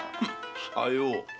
さよう。